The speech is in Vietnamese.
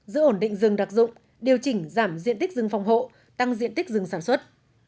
giữ ổn định rừng đặc dụng điều chỉnh giảm diện tích rừng phòng hộ tăng diện tích rừng sản xuất